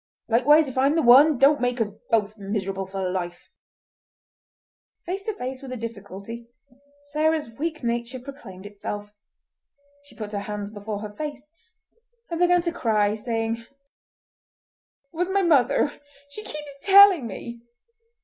Likewise, if I'm the one, don't make us both miserable for life!" Face to face with a difficulty, Sarah's weak nature proclaimed itself; she put her hands before her face and began to cry, saying— "It was my mother. She keeps telling me!"